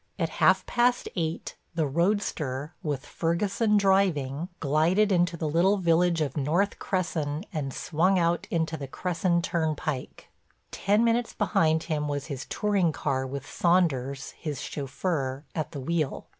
At half past eight the roadster, with Ferguson driving, glided into the little village of North Cresson and swung out into the Cresson Turnpike. Ten minutes behind him was his touring car with Saunders, his chauffeur, at the wheel.